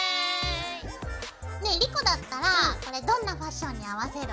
ねえ莉子だったらこれどんなファッションに合わせる？